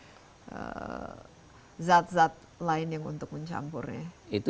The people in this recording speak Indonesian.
atau ada zat zat lain yang untuk mencampurnya